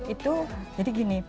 itu jadi gini